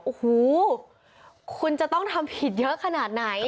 โอ้โหคุณจะต้องทำผิดเยอะขนาดไหน